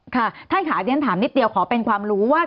ถ้าอาระดิฉันถามนิตเตียวขอเป็นความรู้ว่า